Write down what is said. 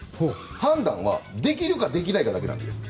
判断はできるかできないかだけなんで。